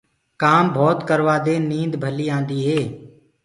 ڪآم ڀوت ڪروآ دي نيند ڀليٚ آندي هي۔